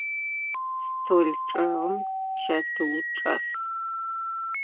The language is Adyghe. Стол чӏэгъым чэтыур чӏэс.